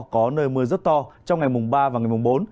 có nơi mưa rất to trong ngày mùng ba và ngày mùng bốn